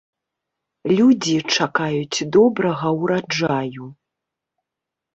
Людзі чакаюць добрага ўраджаю.